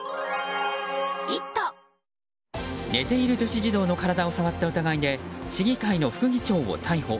寝ている女子児童の体を触った疑いで市議会の副議長を逮捕。